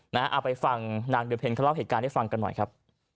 เอาไปฟังนางเดอเพลเขาเล่าเหตุการณ์ให้ฟังกันหน่อยครับ